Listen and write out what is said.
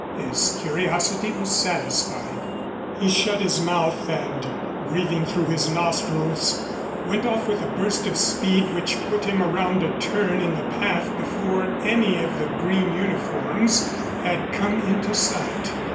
His curiosity was satisfied. He shut his mouth and, breathing through his nostrils, went off with a burst of speed which put him around a turn in the path before any of the green uniforms had come into sight.